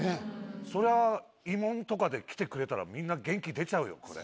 そりゃあ慰問とかで来てくれたらみんな元気出ちゃうよこれ。